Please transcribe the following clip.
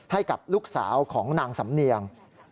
ให้กับลูกสาวของนางสำเนียง